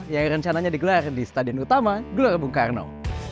tim yang berada di posisi ketiga klasmen regular series akan bertanding di lombok final